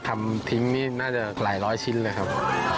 ทำทิ้งนี่น่าจะหลายร้อยชิ้นเลยครับ